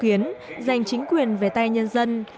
kiến giành chính quyền về tay nhân dân